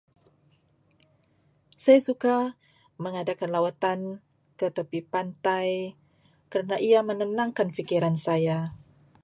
Saya suka mengadakan lawatan ke tepi pantai kerana ia menenangkan fikiran saya.